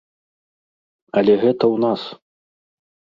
Але гэта ў нас.